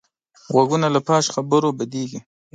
غوږونه له فحش خبرو بدېږي